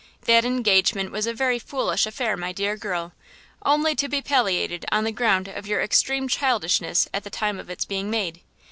That engagement was a very foolish affair, my dear girl, and only to be palliated on the ground of your extreme childishness at the time of its being made.